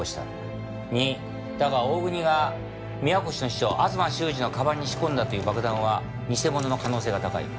だが大國が宮越の秘書東修二の鞄に仕込んだという爆弾は偽物の可能性が高い。